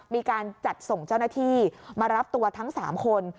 มีการจัดส่งเจ้าหน้าที่มารับตัวทั้ง๓คน